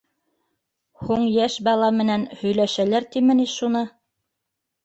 —Һуң, йәш бала менән һөйләшәләр тиме ни шуны?